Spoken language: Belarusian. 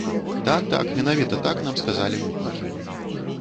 Так-так, менавіта так нам сказалі мытнікі.